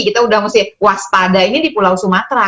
kita sudah mesti waspada ini di pulau sumatera